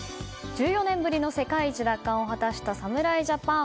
１４年ぶりの世界一奪還を果たした侍ジャパン。